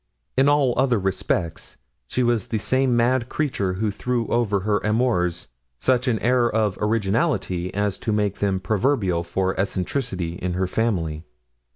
In all other respects she was the same mad creature who threw over her amours such an air of originality as to make them proverbial for eccentricity in her family.